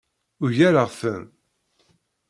Ugareɣ-ten.